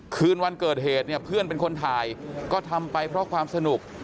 คืนวันเกิดเหตุเนี่ยเพื่อนเป็นคนถ่ายก็ทำไปเพราะความสนุก